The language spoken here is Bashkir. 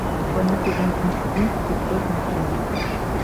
— Быны түбән инстинкт тип әйтмәҫ инем.